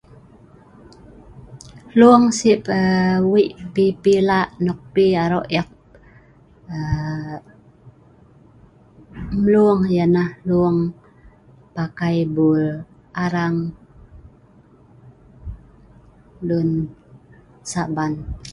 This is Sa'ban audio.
Hlung si wei pipi lak ,nok pi aro ek mlung yah nah, hlung mlung mat bul arang lun saban